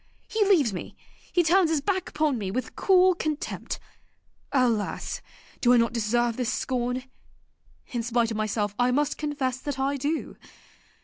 he leaves me, he turns his back upon me with cool contempt! Alas! do I not deserve this scorn? In spite of myself I must confess that I do.